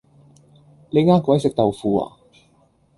你呃鬼食豆腐呀